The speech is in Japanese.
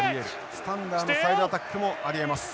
スタンダーのサイドアタックもありえます。